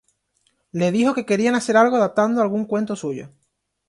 Le dijo que querían hacer algo adaptando algún cuento suyo.